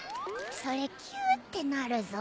それキュってなるぞ。